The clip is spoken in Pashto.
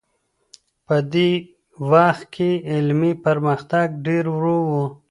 په دې وخت کي علمي پرمختګ ډېر ورو و.